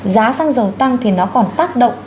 giá sang dầu tăng thì nó còn tác động